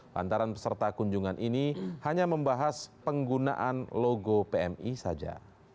lantaran peserta kunjungan ini hanya membahas penggunaan logo pmi saja